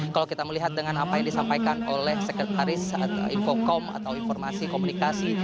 kalau kita melihat dengan apa yang disampaikan oleh sekretaris infocom atau informasi komunikasi